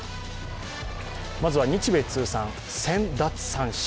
まずは日米通算１０００奪三振。